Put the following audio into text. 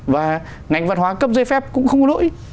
và ngành văn hóa cấp giấy phép cũng không có lỗi